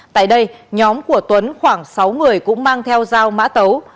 tại đây nhóm của tuấn khoảng sáu người cũng mang theo dao mã tấu